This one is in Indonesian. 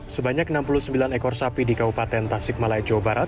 sebanyak enam puluh sembilan ekor sapi di kabupaten tasik malaya jawa barat